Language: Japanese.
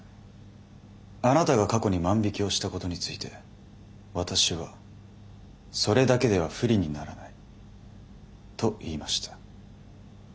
あなたが過去に万引きをしたことについて私は「それだけでは不利にならない」と言いました。